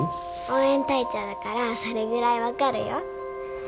応援隊長だからそれぐらい分かるよ。